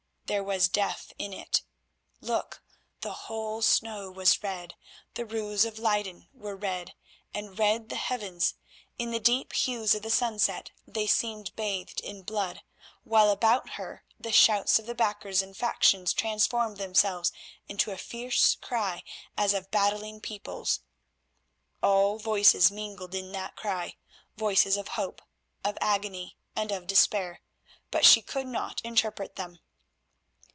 There was death in it. Look, the whole snow was red, the roofs of Leyden were red, and red the heavens; in the deep hues of the sunset they seemed bathed in blood, while about her the shouts of the backers and factions transformed themselves into a fierce cry as of battling peoples. All voices mingled in that cry—voices of hope, of agony, and of despair; but she could not interpret them.